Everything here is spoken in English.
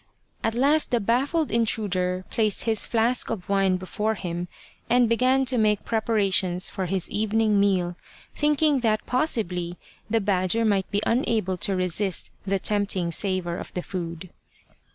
At last the baffled intruder placed his flask of wine before him and began to make pre parations for his evening meal, thinking that possibly the badger might be unable to resist the tempting savour of the food.